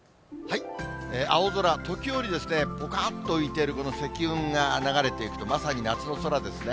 青空、時折、ぽかっと浮いているこの積雲が流れていくと、まさに夏の空ですね。